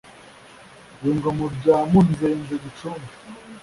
Yunga mu rya Munzenze Gicumbi